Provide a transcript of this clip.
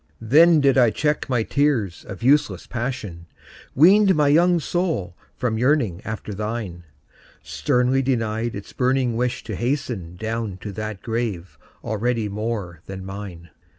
Then did I check my tears of useless passion, Weaned my young soul from yearning after thine, Sternly denied its burning wish to hasten Down to that grave already more than mine!